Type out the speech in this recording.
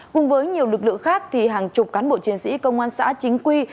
cùng với nhiều lực lượng khác thì hàng chục cán bộ chiến sĩ công an xã chính quy